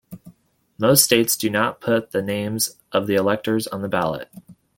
Most states do not put the names of the electors on the ballot.